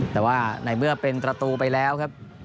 แต่ว่าในเมื่อเป็นประตูไปแล้วครับ